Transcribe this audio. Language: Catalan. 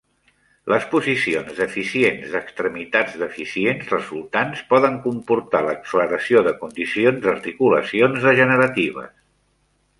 Les posicions deficients d'extremitats deficients resultants poden comportar l'acceleració de condicions d'articulacions degeneratives.